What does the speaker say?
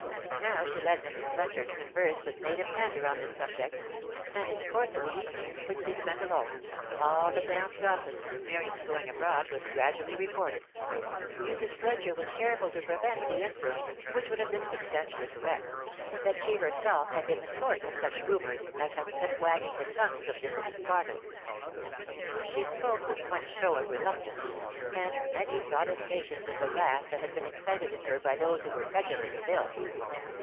Now she led Mrs. Fletcher to converse with native candour on this subject, and in the course of the evening, which they spent alone, all the town's gossip since Miriam's going abroad was gradually reported. Mrs. Fletcher was careful to prevent the inference (which would have been substantially correct) that she herself had been the source of such rumours as had set wagging the tongues of dissident Bartles; she spoke with much show of reluctance, and many protestations of the wrath that had been excited in her by those who were credulous of ill.